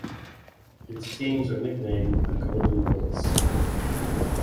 Its teams are nicknamed the Golden Bulls.